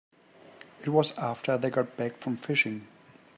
It was after they got back from fishing.